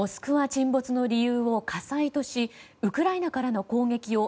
沈没の理由を火災としウクライナからの攻撃を